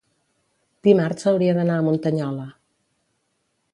dimarts hauria d'anar a Muntanyola.